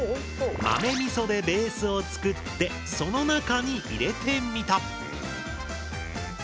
豆みそでベースを作ってその中に入れてみた。